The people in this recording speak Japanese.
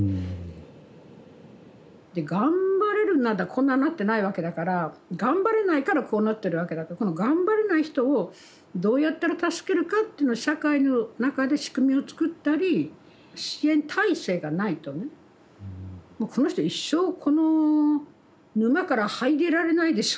頑張れるならこんなんなってないわけだから頑張れないからこうなってるわけだからこの頑張れない人をどうやったら助けるかっていうのを社会の中で仕組みを作ったり支援体制がないとねもうこの人一生この沼から這い出られないでしょうみたいな。